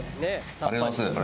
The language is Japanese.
ありがとうございます。